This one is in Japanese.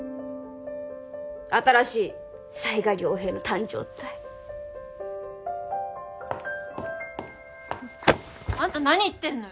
新しい犀賀涼平の誕生ったいあんた何言ってんのよ